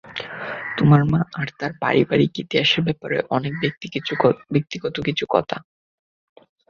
তোমার মা আর তার পারিবারিক ইতিহাসের ব্যাপারে অনেক ব্যক্তিগত কিছু কথা।